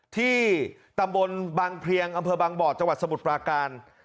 ที่ตำบลบางเพลียงอำเภอบางบ่อจังหวัดสมุทรปราการ